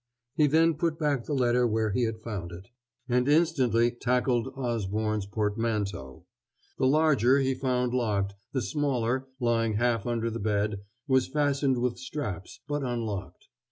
He then put back the letter where he had found it; and instantly tackled Osborne's portmanteaux. The larger he found locked, the smaller, lying half under the bed, was fastened with straps, but unlocked.